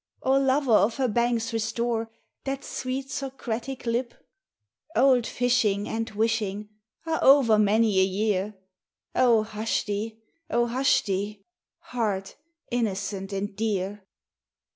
Or lover of her banks restore That sweet Socratic lip? Old fishing and wishing Are over many a year. O hush thee, O hush thee! heart innocent and dear.